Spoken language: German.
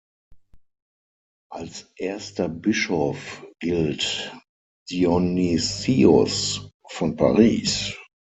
Als erster Bischof gilt Dionysius von Paris.